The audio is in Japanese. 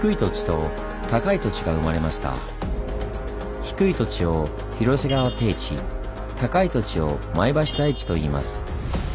低い土地を「広瀬川低地」高い土地を「前橋台地」といいます。